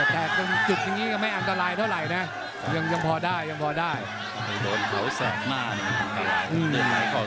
แตกจุดอย่างงี้ก็ไม่อันตรายเท่าไหร่นะยังพอได้ยังพอได้